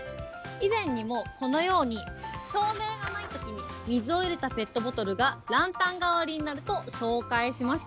以前にもこのように、照明がないときに水を入れたペットボトルがランタン代わりになると紹介しました。